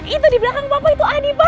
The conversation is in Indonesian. itu di belakang bapak itu adi pak